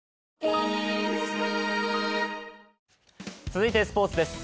続いてスポーツです。